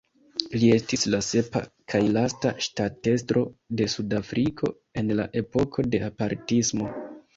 Li estis la sepa kaj lasta ŝtatestro de Sudafriko en la epoko de apartismo.